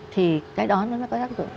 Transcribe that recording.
thì cái đó nó có tác dụng